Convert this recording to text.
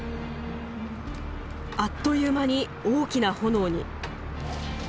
あっという間に大きな炎に。